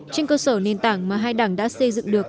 trên cơ sở nền tảng mà hai đảng đã xây dựng được